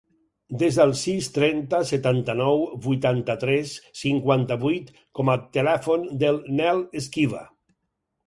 Desa el sis, trenta, setanta-nou, vuitanta-tres, cinquanta-vuit com a telèfon del Nel Esquiva.